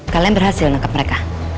kalian berhasil menangkap mereka